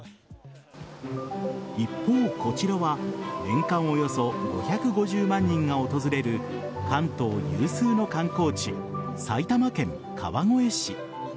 一方、こちらは年間およそ５５０万人が訪れる関東有数の観光地・埼玉県川越市。